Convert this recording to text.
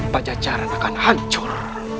pancasjaran akan hancur